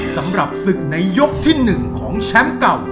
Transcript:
สำหรับศึกในยกที่๑ของแชมป์เก่า